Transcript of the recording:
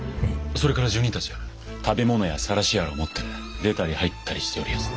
それから住人たちが食べ物やさらしやらを持って出たり入ったりしておりやす。